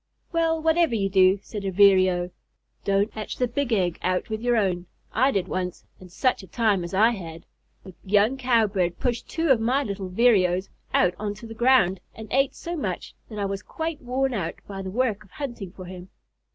"Well, whatever you do," said a Vireo, "don't hatch the big egg out with your own. I did once, and such a time as I had! The young Cowbird pushed two of my little Vireos out onto the ground, and ate so much that I was quite worn out by the work of hunting for him."